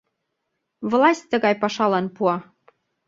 Власть тыгай пашалан пуа.